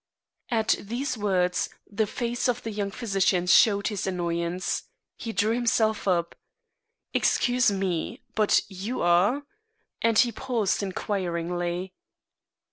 At these words, the face of the young physician showed his annoyance. He drew himself up. "Excuse me, but you are " and he paused inquiringly.